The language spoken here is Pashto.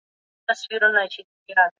آیا اقتصاد د انسان د معیشت لارې چارې نه څېړي؟